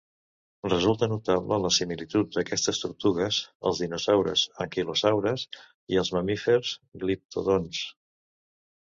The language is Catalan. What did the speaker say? Resulta notable la similitud d'aquestes tortugues als dinosaures anquilosaures i als mamífers gliptodonts.